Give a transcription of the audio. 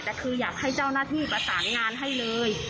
แต่คืออยากให้เจ้าหน้าที่ประสานงานให้เลย